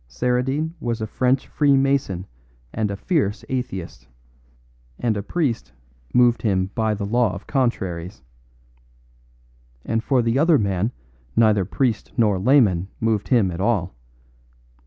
Saradine was a French freemason and a fierce atheist, and a priest moved him by the law of contraries. And for the other man neither priest nor layman moved him at all.